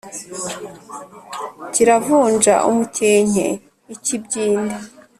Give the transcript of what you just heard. Kiravunja umukenke-Ikibyindi.